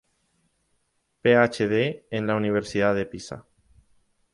PhD en la Universidad de Pisa.